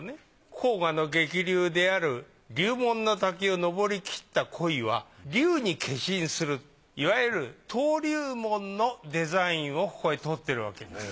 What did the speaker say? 黄河の激流である竜門の滝を登りきった鯉は竜に化身するいわゆる登竜門のデザインをここで取ってるわけです。